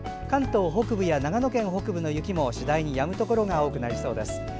関東北部や長野県北部の雪も次第にやむところが多くなりそうです。